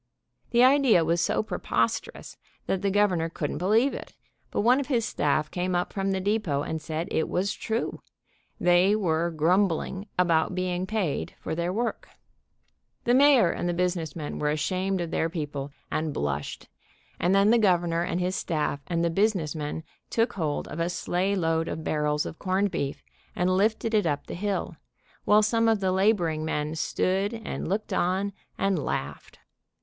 The idea was so preposterous that the Governor couldn't believe it, but one of his staff came up from the depot and said it was true, they were grumbling about being paid for their work. CALLING AN AUDIENCE WITH A FIRE ALARM IO7 The mayor and the business men were ashamed of their people, and blushed, and then the Governor and his staff and the business men took hold of a sleigh load of barrels of corned beef and lifted it up the hill, while some of the laboring men stood and looked on, and laughed.